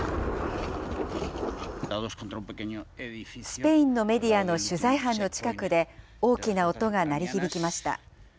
スペインのメディアの取材班の近くで、大きな音が鳴り響きました。